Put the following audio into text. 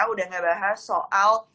udah gak bahas soal